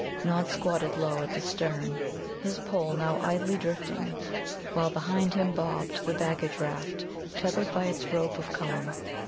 Nod squatted low at the stern, his pole now idly drifting, while behind him bobbed the baggage raft, tethered by its rope of Cullum.